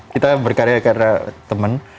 kita berkarya karena teman